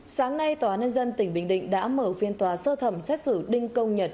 sáng nay tòa nhân dân tỉnh bình định đã mở phiên tòa sơ thẩm xét xử đinh công nhật